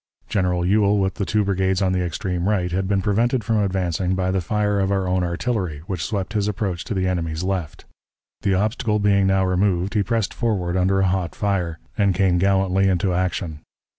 General Ewell, with the two brigades on the extreme right, had been prevented from advancing by the fire of our own artillery, which swept his approach to the enemy's left. The obstacle being now removed, he pressed forward under a hot fire, and came gallantly into action.